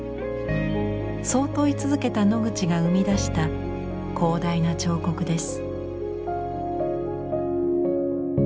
そう問い続けたノグチが生み出した広大な彫刻です。